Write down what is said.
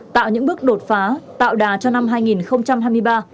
tạo những bước đột phá tạo đà cho năm hai nghìn hai mươi ba